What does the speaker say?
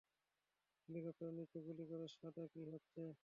হেলিকপ্টারটির নিচে গুলি করো, - শাদা, কি হচ্ছে?